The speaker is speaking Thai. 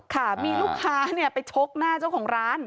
ค่ะมีลูกค้าไปชกหน้าเจ้าของร้าน